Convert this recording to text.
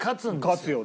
勝つよね。